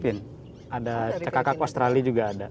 ada cekakak australi juga ada